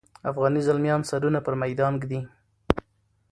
افغاني زلمیان سرونه پر میدان ږدي.